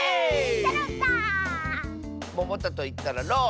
「ももた」といったら「ろう」！